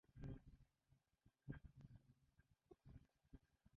Мы не кантралюем працэс.